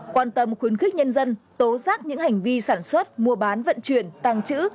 quan tâm khuyến khích nhân dân tố giác những hành vi sản xuất mua bán vận chuyển tăng trữ